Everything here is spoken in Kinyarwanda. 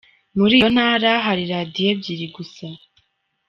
Muri iyo ntara hari Radiyo ebyiri gusa.